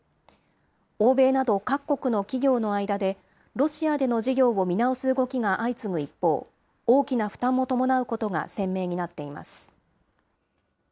欧米など、各国の企業の間でロシアでの事業を見直す動きが相次ぐ一方、大きな負担も伴うことが鮮明になっています。